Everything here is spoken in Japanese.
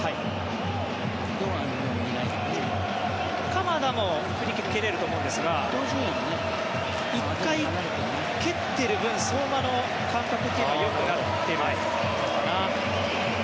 鎌田もフリーキック蹴れると思うんですが１回、蹴っている分相馬の感覚というのはよくなっているのかな。